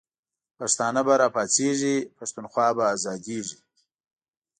پښتانه به را پاڅیږی، پښتونخوا به آزادیږی